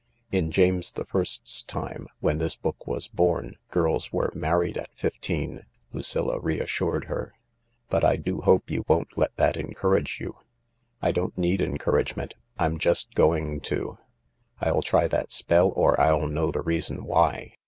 " In James the First's time, when this book was born, girls were married at fifteen," Lucilla reassured her, " but I do hope you won't let that encourage you." " I don't need encouragement. I'm just going to. I'll try that spell or I'll know the reason why.